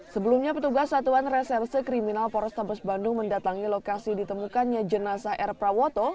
sebelumnya petugas satuan reserse kriminal polrestabes bandung mendatangi lokasi ditemukannya jenazah r prawoto